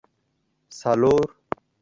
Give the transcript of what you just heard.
څلور